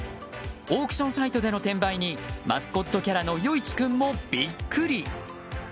オークションサイトでの転売にマスコットキャラの与一くんもビックリ！